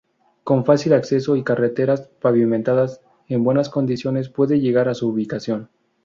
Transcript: Con fácil acceso, y carreteras pavimentadas en buenas condiciones puede llegar a su ubicación.